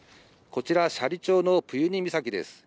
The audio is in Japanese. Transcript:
こちら斜里町のプユニ岬です。